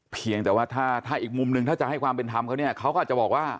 เพียงแต่ว่าถ้าอีกมุมนึงถ้าจะให้ความเป็นธรรมเขาเนี่ยเขาก็อาจจะบอกว่า